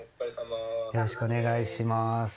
よろしくお願いします。